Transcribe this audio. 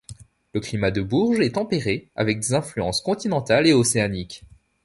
Le climat de Bourges est tempéré avec des influences continentales et océaniques.